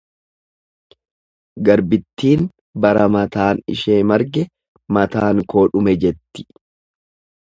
Garbittiin bara mataan ishee marge mataan koo dhume, jetti.